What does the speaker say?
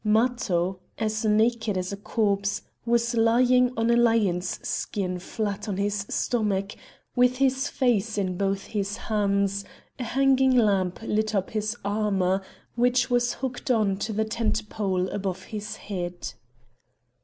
Matho, as naked as a corpse, was lying on a lion's skin flat on his stomach, with his face in both his hands; a hanging lamp lit up his armour, which was hooked on to the tent pole above his head.